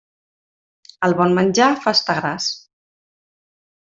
El bon menjar fa estar gras.